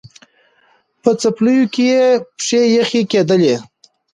په څپلیو کي یې پښې یخی کېدلې